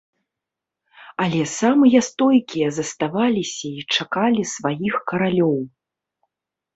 Але самыя стойкія заставаліся і чакалі сваіх каралёў.